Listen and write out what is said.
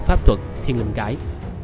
pháp thuật thiên linh cãi